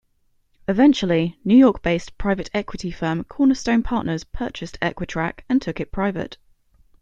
Eventually, New York-based private equity firm Cornerstone Partners purchased Equitrac and took it private.